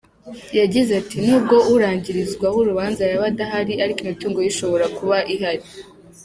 Yagize ati “Nubwo urangirizwaho urubanza yaba adahari ariko imitungo ye ishobora kuba ihari.